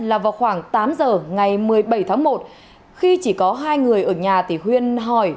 là vào khoảng tám giờ ngày một mươi bảy tháng một khi chỉ có hai người ở nhà thì huyên hỏi